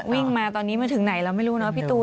วิ่งมาตอนนี้มาถึงไหนเราไม่รู้เนอะพี่ตูน